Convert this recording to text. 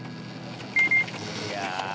いや。